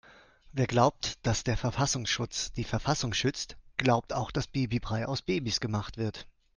Wer glaubt, dass der Verfassungsschutz die Verfassung schützt, glaubt auch dass Babybrei aus Babys gemacht wird.